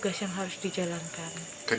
bahwa salah satu z rhyme yang berangkat